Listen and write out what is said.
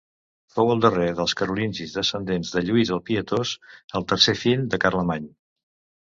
Fou el darrer dels carolingis descendents de Lluís el Pietós, el tercer fill de Carlemany.